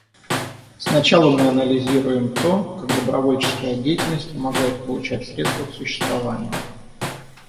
Сначала мы анализируем то, как добровольческая деятельность помогает получать средства к существованию.